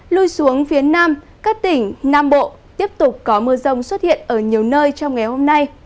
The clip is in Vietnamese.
lui xuống phía nam các tỉnh nam bộ tiếp tục có mưa rông xuất hiện ở nhiều nơi trong ngày hôm nay